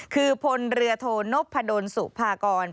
คือพลเรือโทนพดลสุภากร